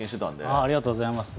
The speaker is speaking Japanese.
ありがとうございます。